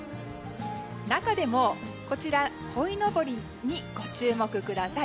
中でも、こちらのこいのぼりにご注目ください。